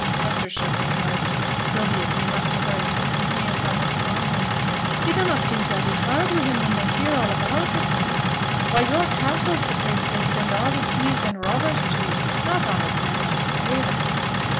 Hester shook her head. Sylvia came up to her and took her hands, almost fondling them. 'Yo' dunnot think they'll be hard wi' him when they hear all about it, done yo'? Why, York Castle's t' place they send a' t' thieves and robbers to, not honest men like feyther.'